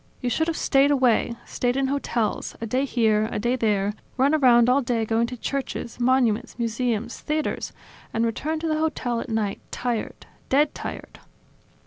You should have stayed away, stayed in hotels, a day here, a day there; run around all day going to churches, monuments, museums, theaters, and returned to the hotel at night tired, dead tired